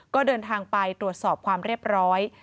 ก็เดินทางไปตรวจสอบความเรียบร้อย